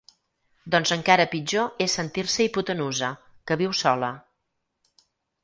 Doncs encara pitjor és sentir-se hipotenusa, que viu sola.